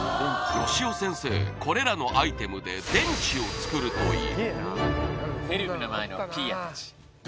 よしお先生これらのアイテムで電池を作るという